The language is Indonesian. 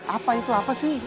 apa itu apa sih